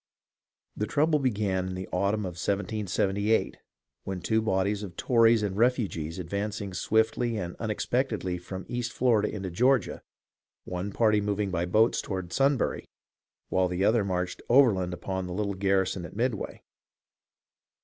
The trouble began in the autumn of 1778, when two bodies of Tories and refugees advanced swiftly and unex pectedly from East Florida into Georgia, one party moving by boats toward Sunbury, while the other marched overland upon the little garrison at Midway.